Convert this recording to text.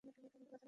ওরা জানে না।